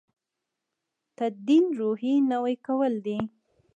تدین روحیې نوي کول دی.